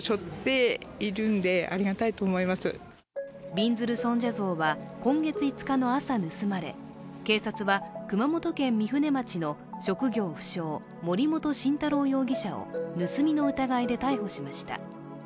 びんずる尊者像は今月５日朝盗まれ警察は、熊本県御船町の職業不詳・森本晋太郎容疑者を盗みの疑いで逮捕しました。